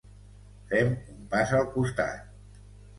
Fem un pas al costat.